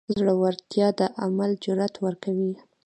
زړورتیا د عمل جرئت ورکوي.